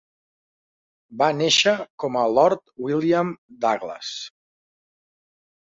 Va néixer com a Lord William Douglas.